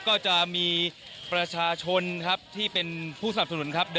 ก็จะมีประชาชนครับที่เป็นผู้สนับสนุนครับ